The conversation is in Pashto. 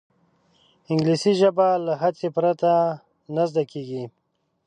انګلیسي ژبه له هڅې پرته نه زده کېږي